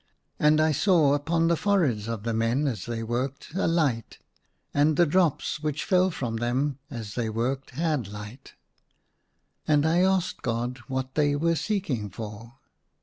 And I saw upon the foreheads of the men as they worked a light, and I70 THE SUNLIGHT LA Y the drops which fell from them as they worked had light. And I asked God what they were seeking for.